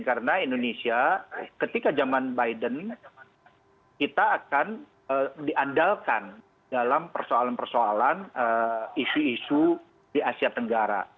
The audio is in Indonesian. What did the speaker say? karena indonesia ketika zaman biden kita akan diandalkan dalam persoalan persoalan isu isu di asia tenggara